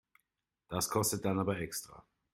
Das kostet dann aber extra.